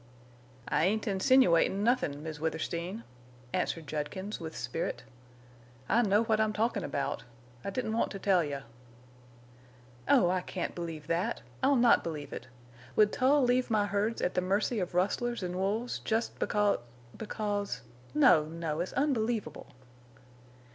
"I ain't insinuatin' nothin', Miss Withersteen," answered Judkins, with spirit. "I know what I'm talking about. I didn't want to tell you." "Oh, I can't believe that! I'll not believe it! Would Tull leave my herds at the mercy of rustlers and wolves just because—because—? No, no! It's unbelievable."